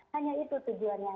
hanya itu tujuannya